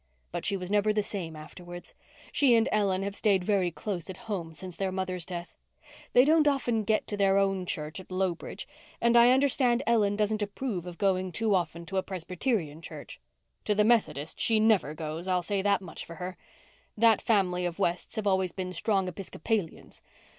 But she was never the same afterwards. She and Ellen have stayed very close at home since their mother's death. They don't often get to their own church at Lowbridge and I understand Ellen doesn't approve of going too often to a Presbyterian church. To the Methodist she never goes, I'll say that much for her. That family of Wests have always been strong Episcopalians.